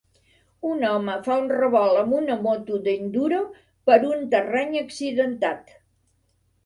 Un home fa un revolt amb una moto d'enduro per un terreny accidentat.